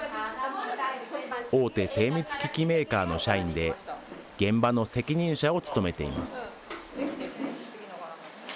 大手精密機器メーカーの社員で、現場の責任者を務めています。